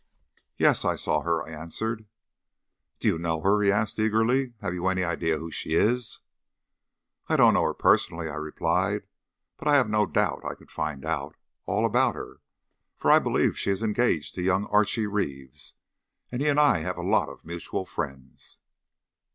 "Yes, I saw her," I answered. "Do you know her?" he asked eagerly. "Have you any idea who she is?" "I don't know her personally," I replied. "But I have no doubt I could find out all about her, for I believe she is engaged to young Archie Reeves, and he and I have a lot of mutual friends."